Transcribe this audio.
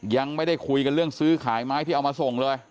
ยังไม่ได้คุยกันเรื่องซื้อขายไม้ที่เอามาส่งเลย